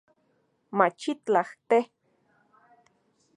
Machitlaj, te